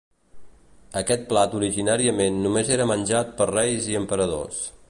Aquest plat originàriament només era menjat per reis i emperadors.